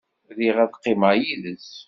Riɣ ad qqimeɣ yid-s.